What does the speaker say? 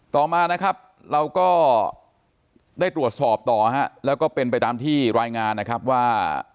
ต่อมานะครับเราก็ได้ตรวจสอบต่อฮะแล้วก็เป็นไปตามที่รายงานนะครับว่า